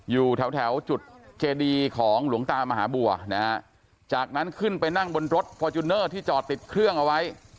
อยู่แถวแถวจุดเจดีของหลวงตามหาบัวนะฮะจากนั้นขึ้นไปนั่งบนรถฟอร์จูเนอร์ที่จอดติดเครื่องเอาไว้